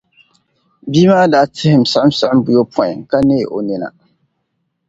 bia maa daa tihim siɣimsiɣim buyopɔin, ka neeg’ o nina.